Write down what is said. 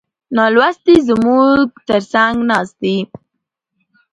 نالوستي زموږ تر څنګ ناست دي.